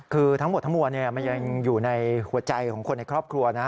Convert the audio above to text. คือทั้งหมดทั้งมวลมันยังอยู่ในหัวใจของคนในครอบครัวนะ